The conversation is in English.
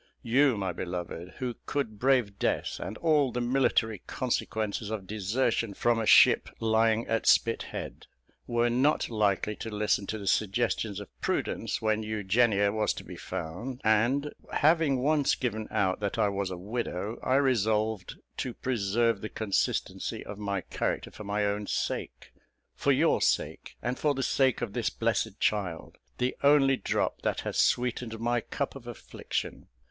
You, my beloved, who could brave death, and all the military consequences of desertion from a ship lying at Spithead, were not likely to listen to the suggestions of prudence when Eugenia was to be found; and, having once given out that I was a widow, I resolved to preserve the consistency of my character for my own sake for your sake, and for the sake of this blessed child, the only drop that has sweetened my cup of affliction.